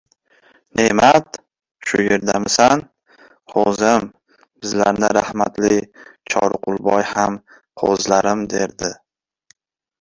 Ne’mat… shu yerdamisan, qo‘zim, bizlarni rahmatli Choriqulboy ham qo‘zilarim, derdi.